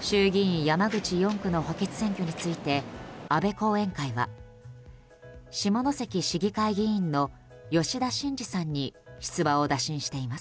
衆議院山口４区の補欠選挙について安倍後援会は下関市議会議員の吉田真次さんに出馬を打診しています。